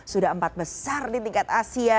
sudah empat besar di tingkat asia